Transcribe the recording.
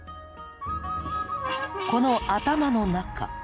この頭の中。